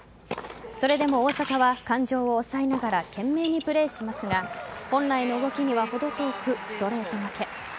それでも大坂は感情を抑えながら懸命にプレーしますが本来の動きにはほど遠くストレート負け。